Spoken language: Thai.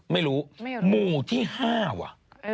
ไม่รู้หมู่ที่๕ว่ะ